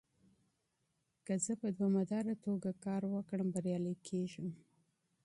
که زه په دوامداره توګه کار وکړم، بريالی کېږم.